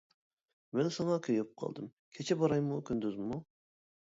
مەن ساڭا كۆيۈپ قالدىم، كېچە بارايمۇ كۈندۈزمۇ.